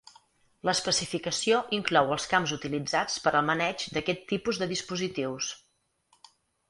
L'especificació inclou els camps utilitzats per al maneig d'aquest tipus de dispositius.